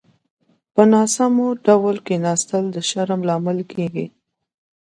په ناسمو ډول کيناستل د شرم لامل کېږي.